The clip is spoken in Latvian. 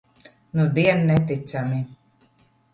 Nudien neticami.